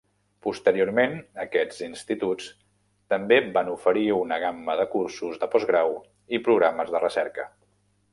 Posteriorment, aquests instituts també van oferir una gamma de cursos de postgrau i programes de recerca.